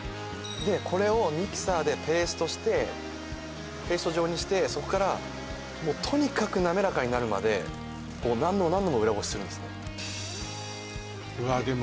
これをミキサーでペーストしてペースト状にしてそこからとにかく滑らかになるまで何度も何度も裏ごしするんですねわあ